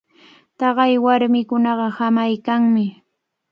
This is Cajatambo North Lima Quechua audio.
Taqay warmikunaqa hamaykanmi.